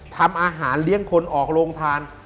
ทำอาหารเลี้ยงคนออกโรงทาน